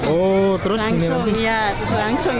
oh terus langsung